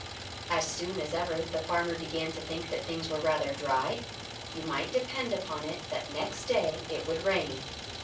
As soon as ever the farmer began to think that things were rather dry, you might depend upon it that next day it would rain.